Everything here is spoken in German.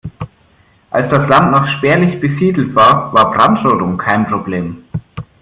Als das Land noch spärlich besiedelt war, war Brandrodung kein Problem.